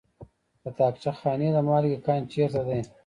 د طاقچه خانې د مالګې کان چیرته دی؟